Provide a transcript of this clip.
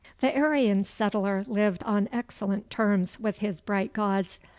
The Aryan settler lived on excellent terms with his bright gods.